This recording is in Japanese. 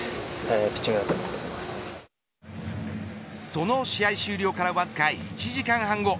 その試合終了からわずか１時間半後